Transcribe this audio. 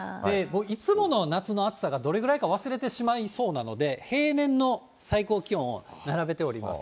いつもの夏の暑さがどれぐらいか忘れてしまいそうなので、平年の最高気温を並べております。